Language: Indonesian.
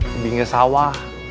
ke bingkai sawah